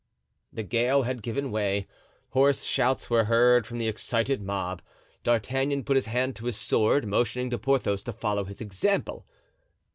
The gale had given way. Hoarse shouts were heard from the excited mob. D'Artagnan put his hand to his sword, motioning to Porthos to follow his example.